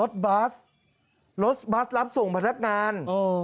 บัสรถบัสรับส่งพนักงาน